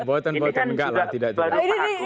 ini kan sudah baru pak akun